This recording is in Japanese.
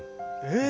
えっ！